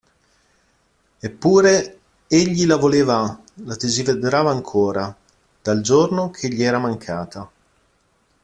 Eppure egli la voleva, la desiderava ancora: dal giorno che gli era mancata.